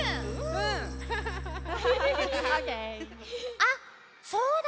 あっそうだ。